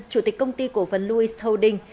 chủ tịch công ty cổ phần louis houding